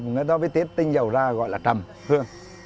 người ta mới tiết tinh dầu ra gọi là trầm hương